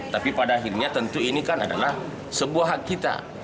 tapi pada akhirnya tentu ini kan adalah sebuah hak kita